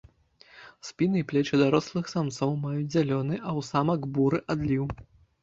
Спіна і плечы дарослых самцоў маюць зялёны, а ў самак буры адліў.